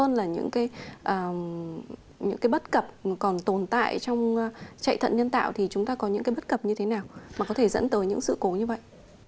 hơn là những cái bất cập còn tồn tại trong chạy thận nhân tạo thì chúng ta có những cái bất cập như thế nào mà có thể dẫn tới những sự cố như vậy